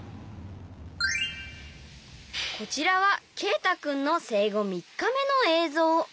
こちらはケイタ君の生後３日目の映像。